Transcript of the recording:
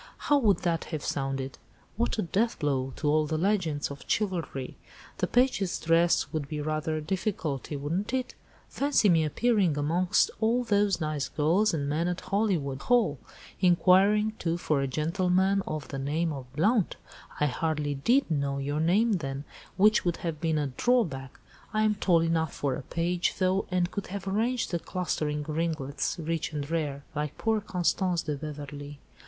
How would that have sounded? What a deathblow to all the legends of chivalry! The page's dress would be rather a difficulty, wouldn't it? Fancy me appearing amongst all those nice girls and men at Hollywood Hall! Inquiring, too, for 'a gentleman of the name of Blount!' I hardly did know your name then, which would have been a drawback. I am tall enough for a page, though, and could have arranged the 'clustering ringlets, rich and rare,' like poor Constance de Beverley.